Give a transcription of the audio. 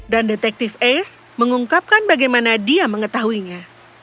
dan detektif ace mengungkapkan bagaimana dia mengetahuinya